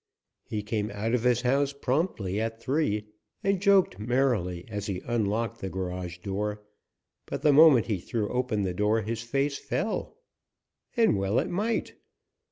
He came out of his house promptly at three, and joked merrily as he unlocked the garage door, but the moment he threw open the door his face fell. And well it might!